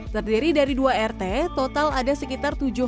terdiri dari dua rt total ada sekitar tujuh home industry